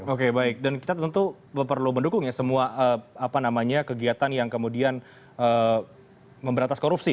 oke baik dan kita tentu perlu mendukung ya semua kegiatan yang kemudian memberantas korupsi